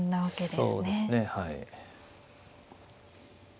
そうですねはい。